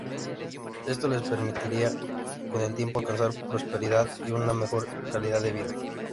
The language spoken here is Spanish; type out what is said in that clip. Esto les permitirá con el tiempo alcanzar prosperidad y una mejor calidad de vida.